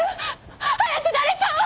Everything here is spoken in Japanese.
早く誰かを！